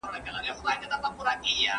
¬ چي رنگ دي دئ د غله، ناسته دي پر څه؟